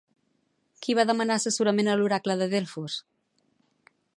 Qui va demanar assessorament a l'oracle de Delfos?